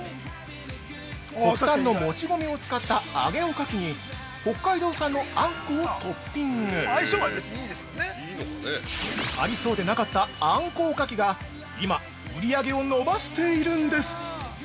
◆国産のもち米を使った揚げおかきに北海道産のあんこをトッピング。ありそうでなかったあんこおかきが今、売り上げを伸ばしているんです。